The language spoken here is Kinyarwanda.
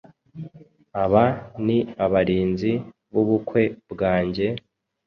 Aba ni abarinzi b'ubukwe bwanjye,